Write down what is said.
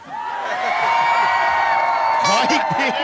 อีกที